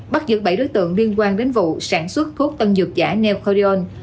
bắt giữ bảy đối tượng liên quan đến vụ sản xuất thuốc tân dược giả neoon